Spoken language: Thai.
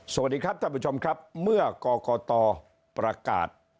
สวัสดีครับท่านผู้ชมครับเมื่อกรกตประกาศ